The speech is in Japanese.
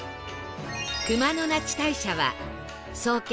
熊野那智大社は創建